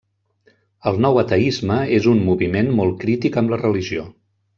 El nou ateisme és un moviment molt crític amb la religió.